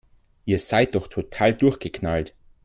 Ihr seid doch total durchgeknallt!